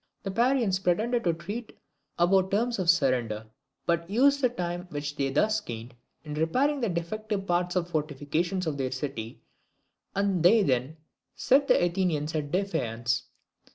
The Parians pretended to treat about terms of surrender, but used the time which they thus gained in repairing the defective parts of the fortifications of their city; and they then set the Athenians at defiance.